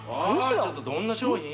ちょっとどんな商品？